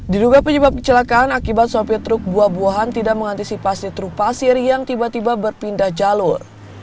diduga penyebab kecelakaan akibat sopir truk buah buahan tidak mengantisipasi truk pasir yang tiba tiba berpindah jalur